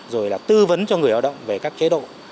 rồi là tư vấn cho người lao động về các chế độ